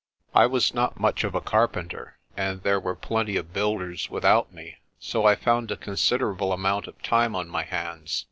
I was not much of a carpenter, and there were plenty of builders without me, so I found a considerable amount of time on my hands.